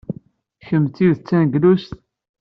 Kemm d tidet d taneglust!